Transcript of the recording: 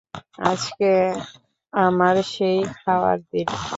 আজকে আমার সেই খাওয়ার দিন।